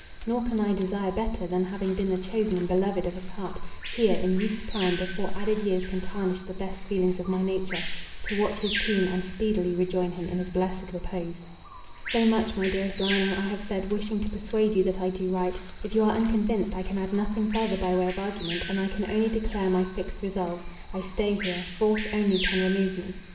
Nor can I desire better, than, having been the chosen and beloved of his heart, here, in youth's prime, before added years can tarnish the best feelings of my nature, to watch his tomb, and speedily rejoin him in his blessed repose. "So much, my dearest Lionel, I have said, wishing to persuade you that I do right. If you are unconvinced, I can add nothing further by way of argument, and I can only declare my fixed resolve. I stay here; force only can remove me.